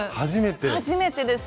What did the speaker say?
初めてです。